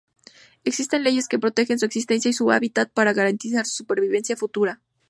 Existen leyes que protegen su existencia y su hábitat para garantizar su supervivencia futura.